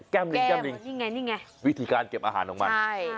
แก้มเร็วแก้มเร็วแก้มลิงนี่ไงนี่ไงวิธีการเก็บอาหารของมันใช่